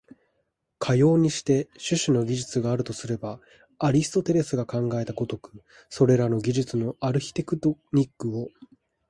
かようにして種々の技術があるとすれば、アリストテレスが考えた如く、それらの技術のアルヒテクトニックを、